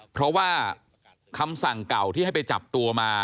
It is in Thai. เพราะว่าคำสั่งเก่าที่ให้ไปจับตัวมา